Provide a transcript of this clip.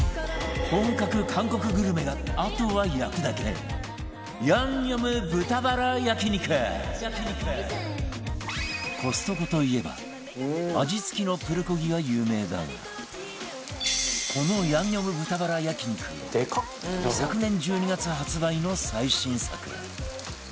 本格韓国グルメがあとは焼くだけコストコといえば味付きのプルコギが有名だがこのヤンニョム豚バラ焼肉は昨年１２月発売の最新作